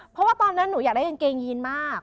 เพราะว่าตอนนั้นหนูอยากได้กางเกงยีนมาก